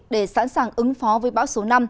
để sẵn sàng ứng phó với bão số năm